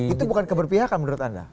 itu bukan keberpihakan menurut anda